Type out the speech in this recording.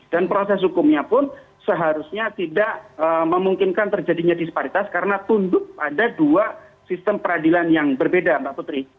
dan proses hukumnya pun seharusnya tidak memungkinkan terjadinya disparitas karena tunduk pada dua sistem peradilan yang berbeda mbak putri